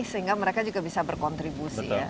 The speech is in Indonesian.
sehingga mereka juga bisa berkontribusi ya